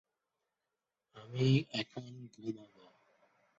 তিনি ওয়াটারলু বিশ্ববিদ্যালয়ের মহাকাশ বিভাগ ও পদার্থবিজ্ঞানের সহযোগী অধ্যাপক।